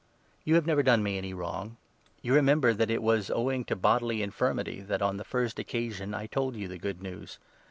You have never done me any Converts, wrong. You remember that it was owing to 13 bodily infirmity that on the first occasion I told you the Good News.